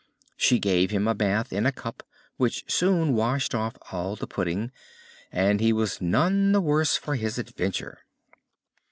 She gave him a bath in a cup, which soon washed off all the pudding, and he was none the worse for his adventure.